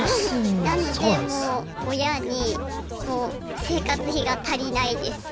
なのでもう親にもう生活費が足りないです。